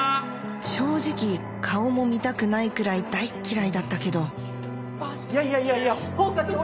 ⁉正直顔も見たくないくらい大嫌いだったけどいやいやいや。